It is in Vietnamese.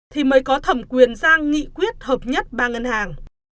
thì mới có thẩm quyền ra nghị quyết hợp nhất ba ngân hàng